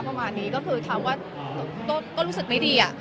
ประมาณนี้ก็คือถามว่าก็รู้สึกไม่ดี